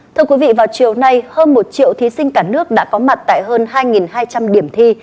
thưa quý vị vào chiều nay hơn một triệu thí sinh cả nước đã có mặt tại hơn hai hai trăm linh điểm thi